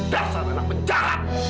dasar anak penjahat